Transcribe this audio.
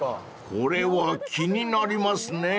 ［これは気になりますねぇ］